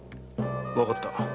わかった。